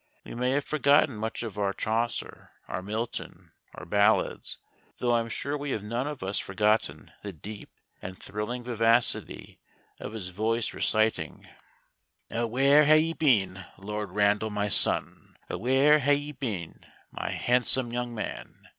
We may have forgotten much of our Chaucer, our Milton, our Ballads though I am sure we have none of us forgotten the deep and thrilling vivacity of his voice reciting: O where hae ye been, Lord Randal, my son? O where hae ye been, my handsome young man?